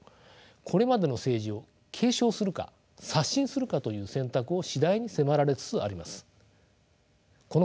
これまでの政治を継承するか刷新するかという選択を次第に迫られつつあります。